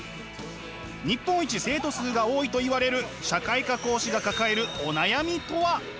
日本一生徒数が多いといわれる社会科講師が抱えるお悩みとは？